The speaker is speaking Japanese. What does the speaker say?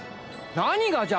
何がじゃ。